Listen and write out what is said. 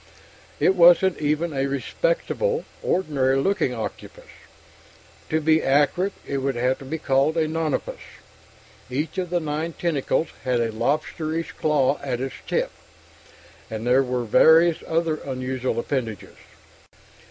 It wasn't even a respectable, ordinary looking octopus. To be accurate, it would have to be called a nonapus; each of the nine tentacles had a lobsterish claw at its tip, and there were various other unusual appendages.